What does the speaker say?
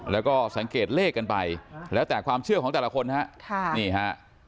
แล้วก็สังเกตเลขกันไปแล้วแต่ความเชื่อของแต่ละคนฮะค่ะนี่ฮะ